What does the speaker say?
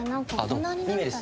２名です。